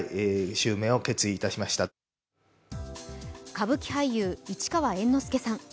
歌舞伎俳優、市川猿之助さん。